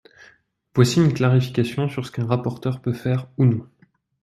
Voici une clarification sur ce qu’un rapporteur peut faire ou non.